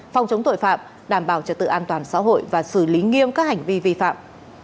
phòng chống tội phạm đảm bảo trật tự an toàn xã hội và xử lý nghiêm các hành vi vi phạm